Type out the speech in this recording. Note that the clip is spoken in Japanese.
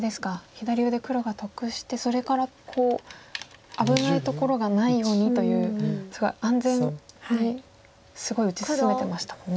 左上で黒が得してそれからこう危ないところがないようにというすごい安全に打ち進めてましたもんね。